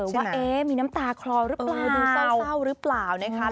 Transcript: ว่ามีน้ำตากลอรึเปล่าดูเศร้าอ่ะ